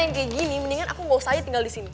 yang kayak gini mendingan aku gak usah aja tinggal disini